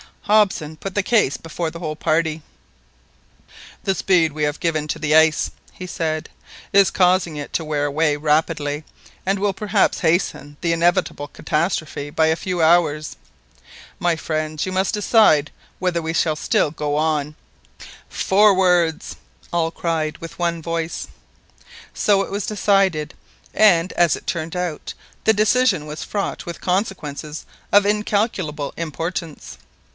Hobson put the case before the whole party. "The speed we have given to the ice," he said, "is causing it to wear away rapidly, and will perhaps hasten the inevitable catastrophe by a few hours. My friends, you must decide whether we shall still go on." "Forwards!" cried all with one voice. So it was decided, and, as it turned out, the decision was fraught with consequences of incalculable importance.